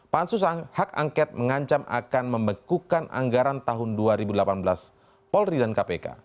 pansus hak angket mengancam akan membekukan anggaran tahun dua ribu delapan belas polri dan kpk